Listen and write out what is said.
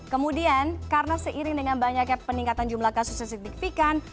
kemudian karena seiring dengan banyaknya peningkatan jumlah kasus yang signifikan